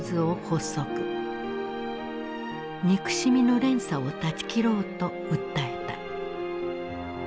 憎しみの連鎖を断ち切ろうと訴えた。